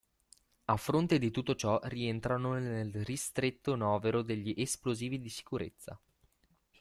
A fronte di tutto ciò rientrano nel ristretto novero degli "esplosivi di sicurezza".